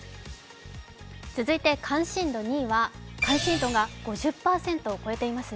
続いて関心度２位は関心度が５０％を超えていますね。